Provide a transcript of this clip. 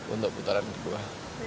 untuk putaran kedua